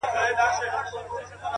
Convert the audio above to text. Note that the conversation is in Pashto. جانه ياره بس کړه ورله ورسه”